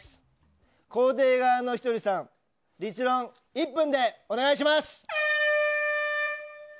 肯定側のひとりさん立論１分でお願いします。